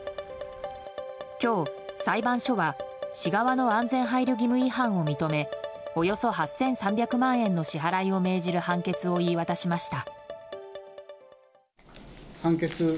今日、裁判所は市側の安全配慮義務違反を認めおよそ８３００万円の支払いを命じる判決を言い渡しました。